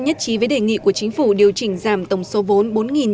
nhất trí với đề nghị của chính phủ điều chỉnh giảm tổng số vốn